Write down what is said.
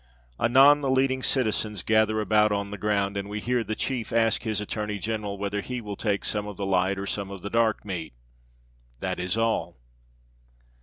Anon the leading citizens gather about on the ground, and we hear the chief ask his attorney general whether he will take some of the light or some of the dark meat. That is all.